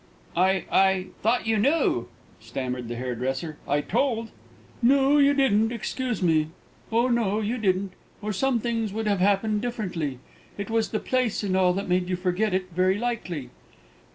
"I I thought you knew," stammered the hairdresser; "I told " "No, you didn't, excuse me; oh no, you didn't, or some things would have happened differently. It was the place and all that made you forget it, very likely."